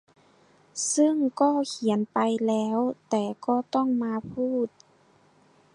ซึ่งก็เขียนไปแล้วแต่ก็ต้องมาพูด